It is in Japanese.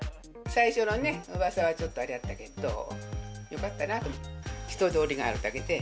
最初のね、うわさはちょっとあれやったけど、よかったなと思って。